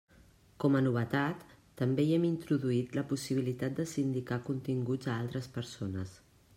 Com a novetat, també hi hem introduït la possibilitat de sindicar continguts a altres persones.